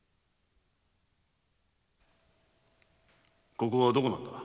ここはどこなのだ？